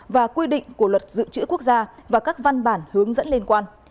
và quy định của luật dự trữ quốc gia và các văn bản hướng dẫn liên quan